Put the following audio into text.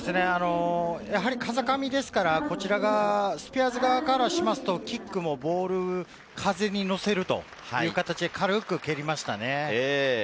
風上ですから、スピアーズ側からすると、キックも風に乗せるという形で軽く蹴りましたね。